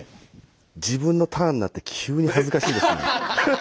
自分のターンになって急に恥ずかしいですね。